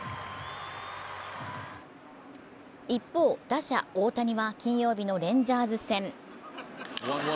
一方、打者・大谷は金曜日のレンジャーズ戦。